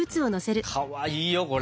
かわいいよこれ。